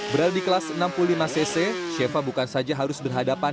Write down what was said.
berada di kelas enam puluh lima cc sheva bukan saja harus berhadapan